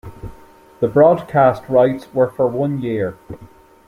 The broadcast rights were for one year.